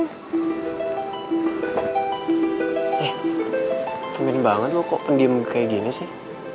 nih temenin banget lo kok pendiem kayak gini sih